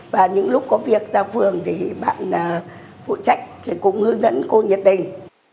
và những lúc có việc ra phường thì bạn phụ trách thì cũng hướng dẫn cô nhiệt tình